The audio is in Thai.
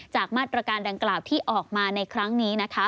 มาตรการดังกล่าวที่ออกมาในครั้งนี้นะคะ